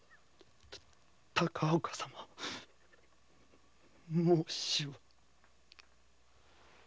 高岡様申し訳。